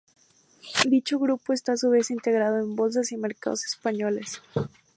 Dicho grupo está a su vez integrado en Bolsas y Mercados Españoles.